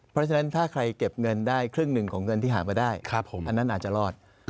เพราะฉะนั้นถ้าใครเก็บเงินได้ครึ่งหนึ่งของเงินที่หามาได้อันนั้นอาจจะรอด